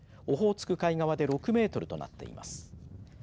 オホーツク海側で６メートルとなっています。